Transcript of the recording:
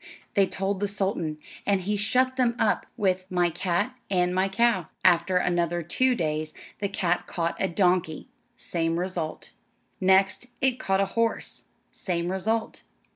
They told the sultan, and he shut them up with "My cat, and my cow." After another two days the cat caught a donkey; same result. Next it caught a horse; same result.